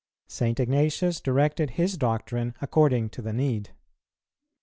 St. Ignatius directed his doctrine according to the need.